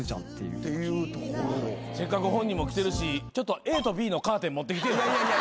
せっかく本人も来てるしちょっとＡとＢのカーテン持ってきてよ。